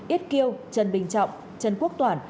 ít kiêu trần bình trọng trần quốc toản